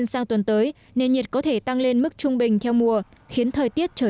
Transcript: nhiệt độ có thể xuống tới nên nhiệt có thể tăng lên mức trung bình theo mùa khiến thời tiết trở